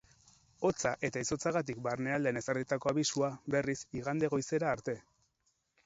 Hotza eta izotzagatik barnealdean ezarritako abisua, berriz, igande goizera arte.